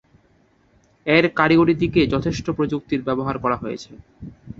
এর কারিগরি দিকে যথেষ্ট প্রযুক্তির ব্যবহার করা হয়েছে।